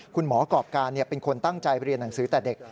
ประกอบการเป็นคนตั้งใจเรียนหนังสือแต่เด็ก